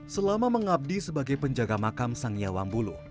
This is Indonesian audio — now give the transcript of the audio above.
selama mengabdi sebagai penjaga makam sangya wambulu